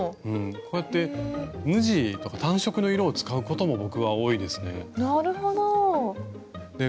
こうやって無地とか単色の色を使うことも僕は多いですね。